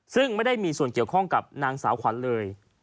ซึ่งไม่ได้มีส่วนเกี่ยวข้องกับนางสาวขวัญเลย